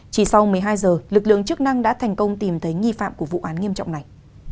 chỉ sau một mươi hai giờ lực lượng chức năng đã thành công tìm thấy nghi phạm của vụ án nghiêm trọng này